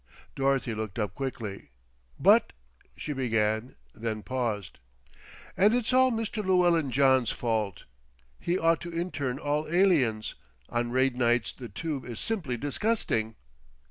Dorothy looked up quickly. "But " she began, then paused. "And it's all Mr. Llewellyn John's fault. He ought to intern all aliens. On raid nights the Tube is simply disgusting."